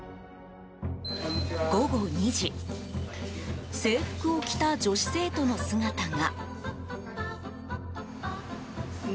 午後２時制服を着た女子生徒の姿が。